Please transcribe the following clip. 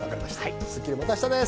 『スッキリ』はまた明日です。